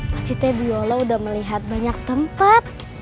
masih teh bu yola udah melihat banyak tempat